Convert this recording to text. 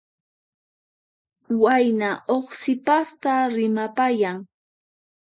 Wayna huk sipasta rimapayan.